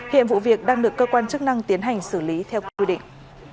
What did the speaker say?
hiện vụ việc đang được cơ quan chức năng tiến hành xử lý theo quy định